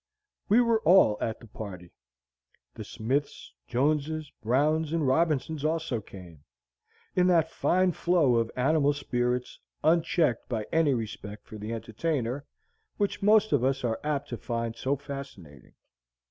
We were all at the party. The Smiths, Joneses, Browns, and Robinsons also came, in that fine flow of animal spirits, unchecked by any respect for the entertainer, which most of us are apt to find so fascinating.